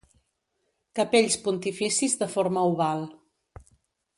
Capells pontificis de forma oval.